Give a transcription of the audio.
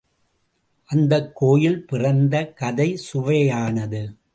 அந்தக் கோயில் பிறந்த கதை சுவையானது.